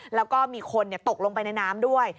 แล้วก็มีคนตกลงไปในน้ำด้วย